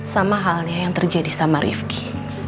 sama halnya yang terjadi sama rifki